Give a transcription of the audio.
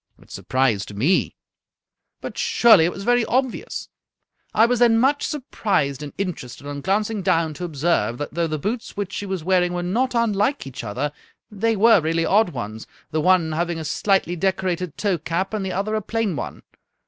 " It surprised me." " But, surely, it was very obvious. I was then much surprised and interested on glancing down to observe that, though the boots which she was wearing were not unlike each other, they were really odd ones, the one having a slightly decorated toe cap. and the other a plain one.